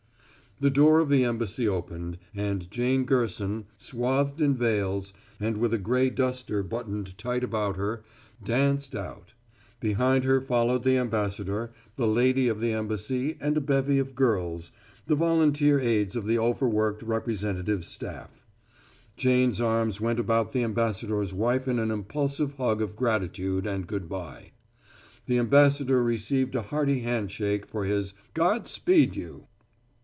The door of the embassy opened, and Jane Gerson, swathed in veils, and with a gray duster buttoned tight about her, danced out; behind her followed the ambassador, the lady of the embassy and a bevy of girls, the volunteer aids of the overworked representative's staff. Jane's arms went about the ambassador's wife in an impulsive hug of gratitude and good by; the ambassador received a hearty handshake for his "God speed you!"